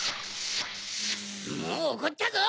もうおこったぞ！